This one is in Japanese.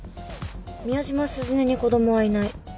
宮島鈴音に子供はいない。